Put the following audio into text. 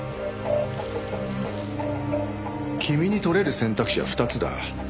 君に採れる選択肢は２つだ。